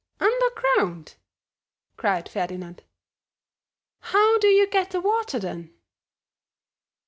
"Underground?" cried Ferdinand. "How do you get the water then?"